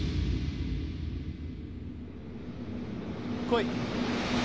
来い。